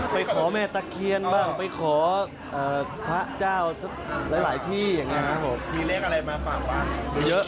ไปขอแม่ตะเคียนบ้างไปขอพระเจ้าหลายที่อย่างนี้ครับครับ